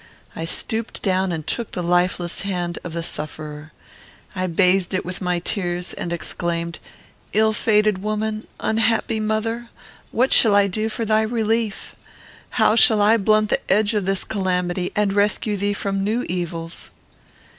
I stooped down and took the lifeless hand of the sufferer. I bathed it with my tears, and exclaimed, "Ill fated woman! unhappy mother! what shall I do for thy relief? How shall I blunt the edge of this calamity, and rescue thee from new evils?"